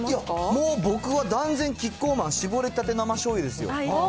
もう僕は断然、キッコーマンしぼりたて生醤油ですよ。